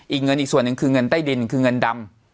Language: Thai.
อีกเงินอีกส่วนหนึ่งคือเงินใต้ดินคือเงินดำ